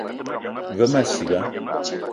Ve ma ciga